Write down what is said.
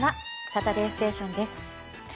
「サタデーステーション」です。